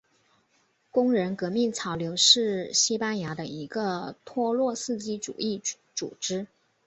工人革命潮流是西班牙的一个托洛茨基主义组织。